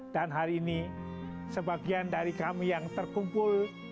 dan hari ini sebagian dari kami yang terkumpul